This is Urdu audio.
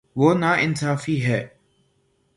وہ نا انصافی ہے